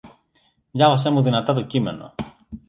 Διάβασέ μου δυνατά το κείμενο.